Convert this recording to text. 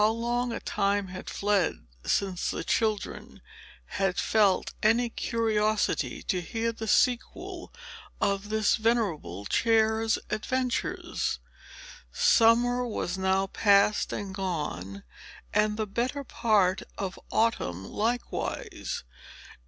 How long a time had fled, since the children had felt any curiosity to hear the sequel of this venerable chair's adventures! Summer was now past and gone, and the better part of Autumn likewise.